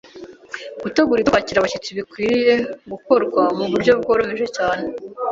Gutegura ibyo kwakiriza abashyitsi bikwiriye gukorwa mu buryo bworoheje cyane